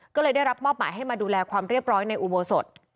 ก็เลยได้รับมอบหมายให้มาดูแลความเรียบร้อยในอุโบสถ